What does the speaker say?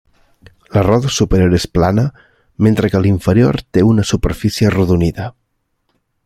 La roda superior és plana, mentre que l'inferior té una superfície arrodonida.